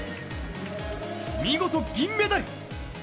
見事、銀メダル！